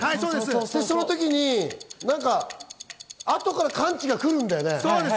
その時に後からカンチが来るんだよね。